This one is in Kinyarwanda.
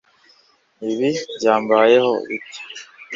Ibi byambayeho bite